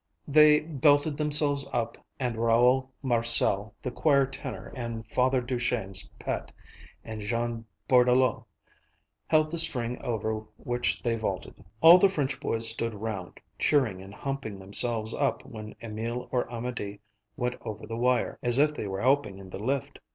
They belted themselves up, and Raoul Marcel, the choir tenor and Father Duchesne's pet, and Jean Bordelau, held the string over which they vaulted. All the French boys stood round, cheering and humping themselves up when Emil or Amédée went over the wire, as if they were helping in the lift.